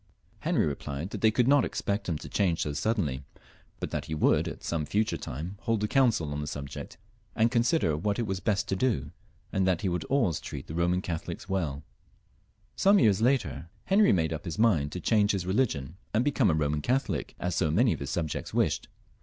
Henry replied that they could not expect him to change so suddenly, but that he would at some future time hold a council on the subject, and con sider what it was best to do ; and that he would always treat the Boman Catholics welL Some years later Henry made up his mind to change his religion and become a Boman Catholic, as so many of his subjects wished.